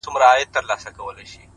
نن ستا کور و ته کوه طور دی د ژوند-